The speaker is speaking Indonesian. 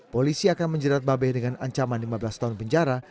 polisi akan menjerat babeh dengan ancaman lima belas tahun penjara